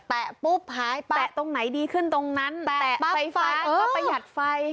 ปุ๊บหายไปแตะตรงไหนดีขึ้นตรงนั้นแตะไฟฟ้าก็ประหยัดไฟ